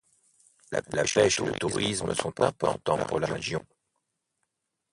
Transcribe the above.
La pêche et le tourisme sont importants pour la région.